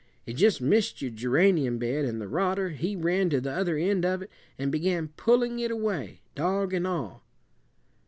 It just missed your geranium bed, and the rodder, he ran to the other end of it, and began pulling it away, dog and all.